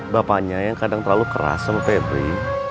bapaknya yang kadang terlalu keras sama febri